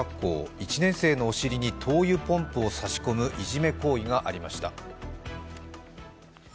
１年生のお尻に灯油用ポンプを差し込むいじめ行為がありました。